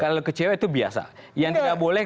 kalau kecewa itu biasa yang tidak boleh